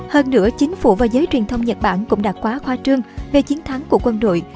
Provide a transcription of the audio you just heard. hơn nữa chính phủ và giới truyền thông nhật bản cũng đã quá khoa trương về chiến thắng của quân đội